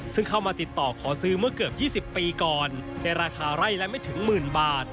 ซึ่งเข้ามาติดต่อขอซื้อเมื่อเกือบ๒๐ปีก่อนในราคาไร่ละไม่ถึงหมื่นบาท